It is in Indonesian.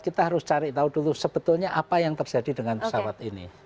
kita harus cari tahu dulu sebetulnya apa yang terjadi dengan pesawat ini